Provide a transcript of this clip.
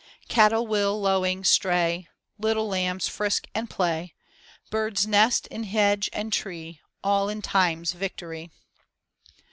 Cattle will, lowing, stray, Little lambs frisk and play. Birds nest in hedge and tree All in Time's victory.